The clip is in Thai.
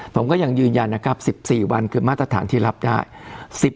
ผมก็ยังยืนยันนะครับ๑๔วันคือมาตรฐานที่รับได้